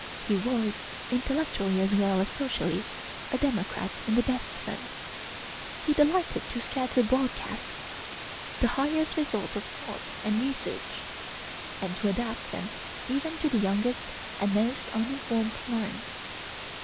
He was, intellectually as well as socially, a democrat in the best sense. He delighted to scatter broadcast the highest results of thought and research, and to adapt them even to the youngest and most uninformed minds.